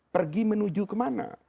pergi menuju kemana